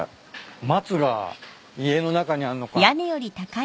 松が家の中にあんのか。